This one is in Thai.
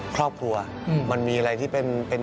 ครอบครัวมันมีอะไรที่เป็น